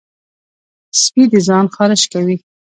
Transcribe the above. سپي د ځان خارش کوي.